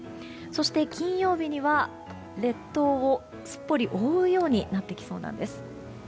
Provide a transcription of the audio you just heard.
そして金曜日には列島をすっぽり覆うようになってきそうなんです。